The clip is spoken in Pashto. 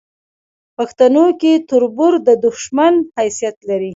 پښتنو کې تربور د دوشمن حیثت لري